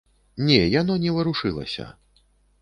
Не, яно не варушылася.